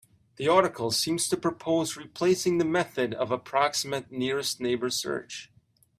The article seems to propose replacing the method of approximate nearest neighbor search.